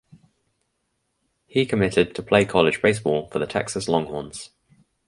He committed to play college baseball for the Texas Longhorns.